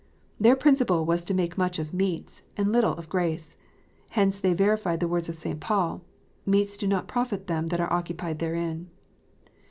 Their principle was to make much of " meats," and little of " grace." Hence they verified the words of St. Paul, " Meats do not profit them that are occupied therein."